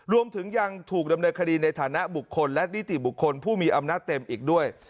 รวมถึงยังถูกดำเนินคดีในฐานะบุคคลและนิติบุคคลผู้มีอำนาจเต็มอีกด้วย